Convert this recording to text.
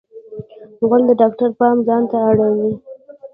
غول د ډاکټر پام ځانته اړوي.